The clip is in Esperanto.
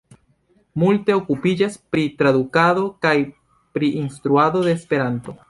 Multe okupiĝas pri tradukado kaj pri instruado de Esperanto.